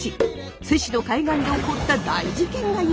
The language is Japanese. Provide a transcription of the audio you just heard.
津市の海岸で起こった大事件が由来だった？